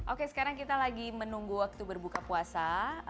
oke sekarang kita lagi menunggu waktu berbuka puasa